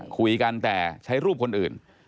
คุยกันแต่ใช้รูปคนอื่น